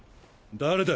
誰だ？